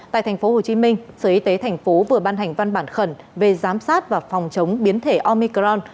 tại tp hcm sở y tế tp vừa ban hành văn bản khẩn về giám sát và phòng chống biến thể omicron